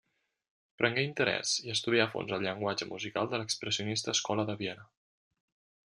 Prengué interès i estudià a fons el llenguatge musical de l'expressionista Escola de Viena.